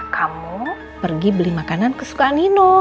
kamu pergi beli makanan kesukaan nino